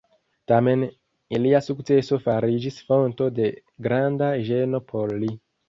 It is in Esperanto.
Tamen ilia sukceso fariĝis fonto de granda ĝeno por li.